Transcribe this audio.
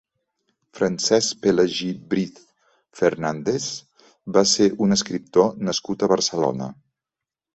Francesc Pelagi Briz Fernández va ser un escriptor nascut a Barcelona.